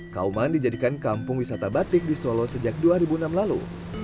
kauman dijadikan kampung wisata batik di solo sejak dua ribu enam lalu